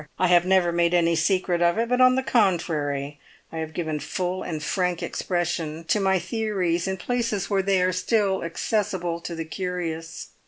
I have never made any secret of it, but, on the contrary, I have given full and frank expression to my theories in places where they are still accessible to the curious.